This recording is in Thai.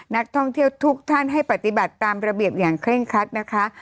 นักท่องเที่ยวทุกท่านให้ปฏิบัติตามระเบียบอย่างเคร่งคัดนะคะ